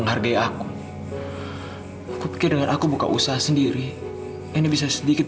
hati aku ini masih terasa sakit